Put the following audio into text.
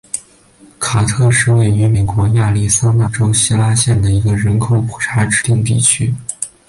卡特是位于美国亚利桑那州希拉县的一个人口普查指定地区。